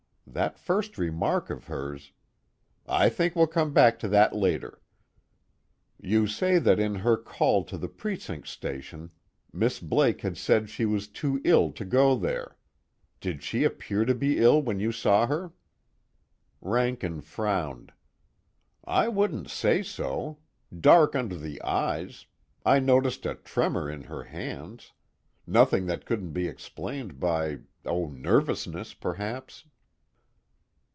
That first remark of hers " "I think we'll come back to that later. You say that in her call to the precinct station Miss Blake had said she was too ill to go there. Did she appear to be ill when you saw her?" Rankin frowned. "I wouldn't say so. Dark under the eyes. I noticed a tremor in her hands. Nothing that couldn't be explained by oh, nervousness perhaps."